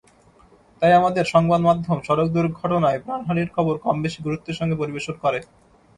তাই আমাদের সংবাদমাধ্যম সড়ক দুর্ঘটনায় প্রাণহানির খবর কমবেশি গুরুত্বের সঙ্গে পরিবেশন করে।